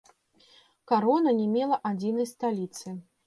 Карона не мела адзінай сталіцы.